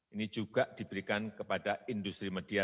ini juga diberikan kepada industri media